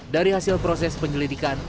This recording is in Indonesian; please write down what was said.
dari hasil proses penyelidikan